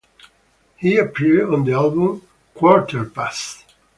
He appeared on the album Quarterpast.